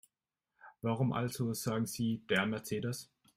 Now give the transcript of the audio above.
Warum also sagen Sie DER Mercedes?